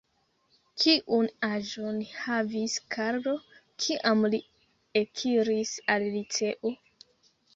Kiun aĝon havis Karlo, kiam li ekiris al liceo?